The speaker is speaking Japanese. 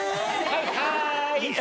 はいはい。